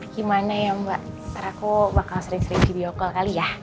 gimana ya mbak nanti aku bakal sering sering di dialog call kali ya